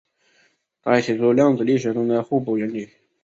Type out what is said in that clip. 他还提出量子力学中的互补原理。